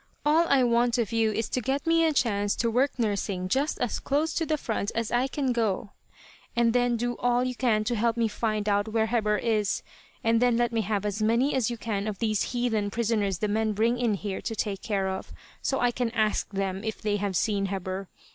All I want of you is to get me a chance to work nursing just as close to the front as I can go, and then do all you can to help me find out where Heber is, and then let me have as many as you can of these heathen prisoners the men bring in here to take care of, so I can ask them if they have seen Heber.